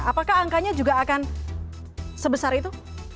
apakah angkanya juga akan sebesar itu